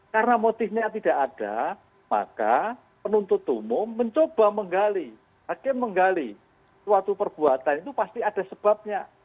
karena motifnya tidak ada maka penuntut umum mencoba menggali hakim menggali suatu perbuatan itu pasti ada sebabnya